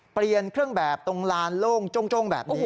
เปลี่ยนเครื่องแบบตรงลานโล่งโจ้งแบบนี้